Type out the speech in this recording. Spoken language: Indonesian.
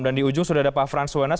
dan di ujung sudah ada pak frans suwenas